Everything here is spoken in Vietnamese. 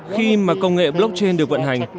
khi mà công nghệ blockchain được vận hành